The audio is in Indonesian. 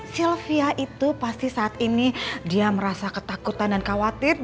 sylvia itu pasti saat ini dia merasa ketakutan dan khawatir